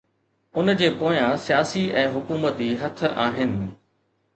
ان جي پويان سياسي ۽ حڪومتي هٿ آهن